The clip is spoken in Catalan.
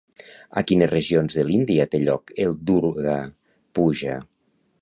A quines regions de l'Índia té lloc el Durga-puja?